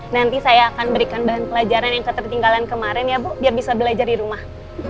jadi saya akan berikan bahan pelajaran yang ketertinggalan kemarin ya bu biar bisa belajar di rumah